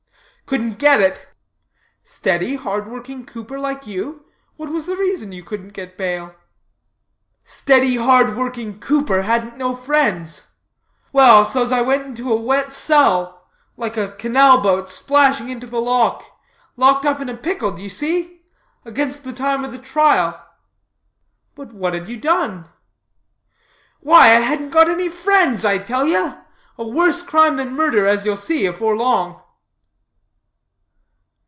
"Couldn't get it." "Steady, hard working cooper like you; what was the reason you couldn't get bail?" "Steady, hard working cooper hadn't no friends. Well, souse I went into a wet cell, like a canal boat splashing into the lock; locked up in pickle, d'ye see? against the time of the trial." "But what had you done?" "Why, I hadn't got any friends, I tell ye. A worse crime than murder, as ye'll see afore long."